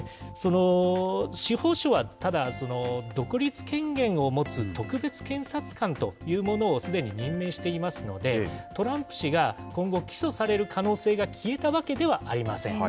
司法省は独立権限を持つ特別検察官というものをすでに任命していますので、トランプ氏が今後起訴される可能性が消えたわけではありません。